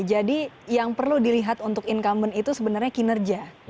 jadi yang perlu dilihat untuk incumbent itu sebenarnya kinerja